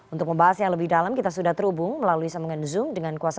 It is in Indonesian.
untuk membahas yang lebih dalam kita sudah terhubung melalui sambungan zoom dengan kuasa